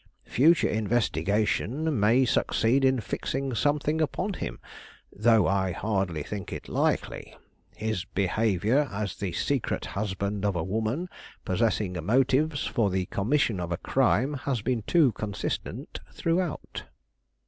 Future investigation may succeed in fixing something upon him; though I hardly think it likely. His behavior as the secret husband of a woman possessing motives for the commission of a crime has been too consistent throughout."